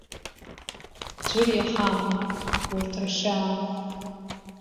Ӡәыр иаҳама урҭ рхьаа?